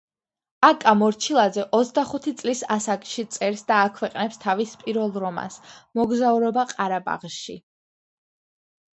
აკა მორჩილაძე ოცდახუთი წლის ასაკში წერს და აქვეყნებს თავის პირველ რომანს „მოგზაურობა ყარაბაღში“.